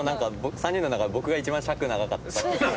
３人の中で僕が一番尺長かったです多分。